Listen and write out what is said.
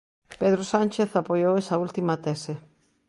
Pedro Sánchez apoiou esa última tese.